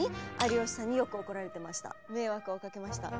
迷惑をかけました。